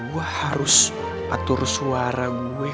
gue harus patung suara gue